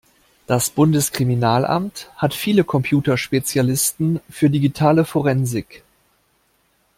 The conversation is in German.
Das Bundeskriminalamt hat viele Computerspezialisten für digitale Forensik.